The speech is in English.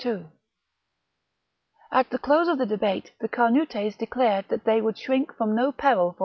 At the close of the debate ^ the Carnutes tScftostrfke declared that they would shrink from no peril for biow.'